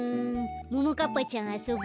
ももかっぱちゃんあそぼ。